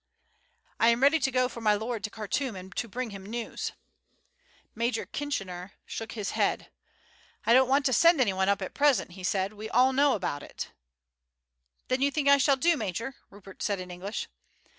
"I am ready to go for my lord to Khartoum, and to bring him news." Major Kitchener shook his head. "I don't want to send anyone up at present," he said; "we know all about it." "Then you think I shall do, major?" Rupert said in English.